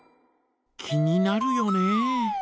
気になるよね。